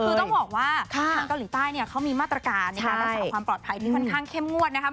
คือต้องบอกว่าทางเกาหลีใต้เนี่ยเขามีมาตรการในการรักษาความปลอดภัยที่ค่อนข้างเข้มงวดนะครับ